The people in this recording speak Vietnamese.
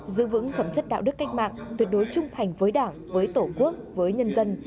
giữ vững phẩm chất đạo đức cách mạng tuyệt đối trung thành với đảng với tổ quốc với nhân dân